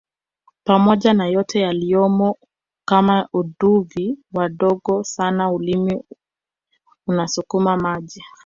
pamoja na yote yaliyomo kama uduvi wadogo sana ulimi unasukuma maji